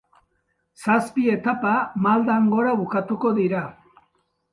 Zazpi etapa maldan gora bukatuko dira.